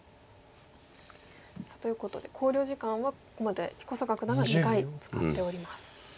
ということで考慮時間はここまで彦坂九段が２回使っております。